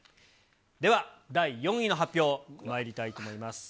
では、第４位の発表まいりたいと思います。